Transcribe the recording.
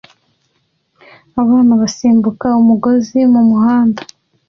Abana basimbuka umugozi mumuhanda